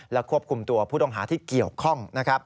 และควบคุมตัวผู้ต้องหาที่เกี่ยวข้อง